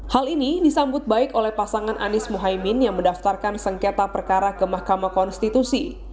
hal ini disambut baik oleh pasangan anies muhaymin yang mendaftarkan sengketa perkara ke mahkamah konstitusi